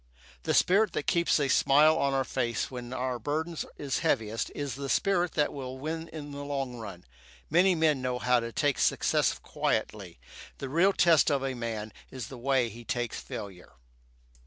The spirit that keeps a smile on our faces when our burden is heaviest is the spirit that will win in the long run. Many men know how to take success quietly. The real test of a man is he way he takes failure.